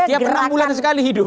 tiap enam bulan sekali hidup